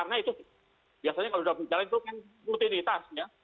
karena itu biasanya kalau sudah berjalan itu kan rutinitas ya